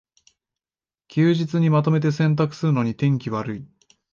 休日にまとめて洗濯するのに天気悪い